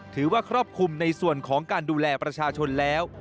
ครอบคลุมในส่วนของการดูแลประชาชนแล้ว